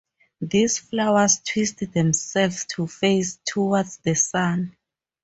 These flowers twist themselves to face toward the sun.